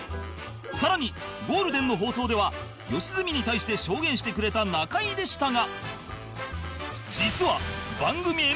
さらにゴールデンの放送では良純に対して証言してくれた中居でしたが